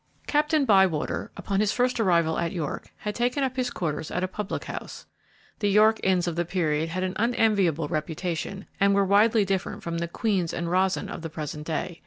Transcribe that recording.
Captain Bywater, upon his first arrival at York, had taken up his quarters at a public house. The York inns of the period had an unenviable reputation, and were widely different from the Queen's and Rossin of the present day.